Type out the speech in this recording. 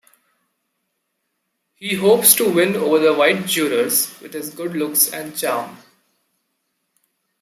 He hopes to win over the white jurors with his good looks and charm.